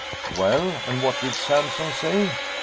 "Well, and what did Sampson say?"